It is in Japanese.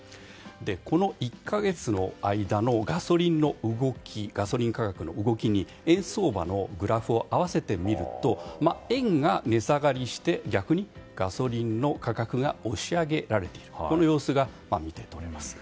この１か月の間のガソリン価格の動きに円相場のグラフを合わせてみると円が値下がりすると逆にガソリン価格が押し上げられている様子が見て取れます。